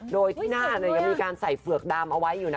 โดยที่หน้ายังมีการใส่เฝือกดำเอาไว้อยู่นะ